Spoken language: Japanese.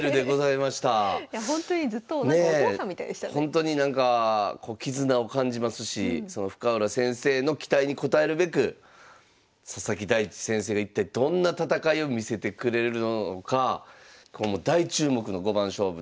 ほんとになんか絆を感じますし深浦先生の期待に応えるべく佐々木大地先生が一体どんな戦いを見せてくれるのか大注目の五番勝負。